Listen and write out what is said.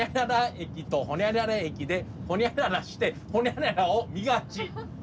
駅とホニャララ駅でホニャララしてホニャララを見がち。